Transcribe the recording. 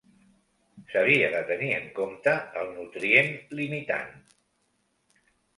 S'havia de tenir en compte el nutrient limitant.